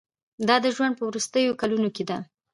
دا د ژوند په وروستیو کلونو کې ده.